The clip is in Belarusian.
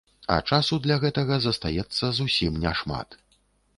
А часу для гэтага застаецца зусім няшмат.